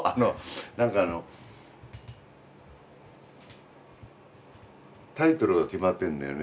何かあのタイトルは決まってんだよね。